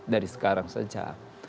dari sekarang saja